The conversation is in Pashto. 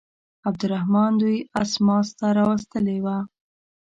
عبدالرحمن دوی اسماس ته راوستلي وه.